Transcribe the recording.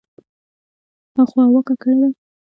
خو هوا ککړه ده.